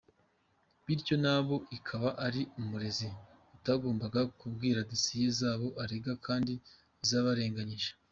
Bityo nayo ikaba ari umurezi utaragombaga kubika dosiye z’abo irega kandi zabarenganyije.